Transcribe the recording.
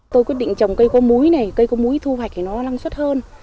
tôi quyết định trồng cây có muối này cây có múi thu hoạch thì nó năng suất hơn